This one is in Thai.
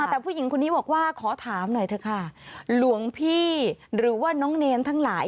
แต่ผู้หญิงคนนี้บอกว่าขอถามหน่อยเถอะค่ะหลวงพี่หรือว่าน้องเนรทั้งหลาย